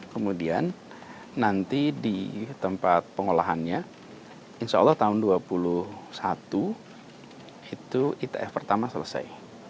kemudian nanti di tempat pengolahannya insya allah tahun dua puluh satu itu itf pertama selesai